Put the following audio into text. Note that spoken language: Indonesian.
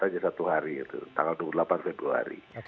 saja satu hari itu tanggal dua puluh delapan februari